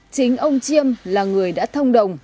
chính ông chiêm là người đã thông đồng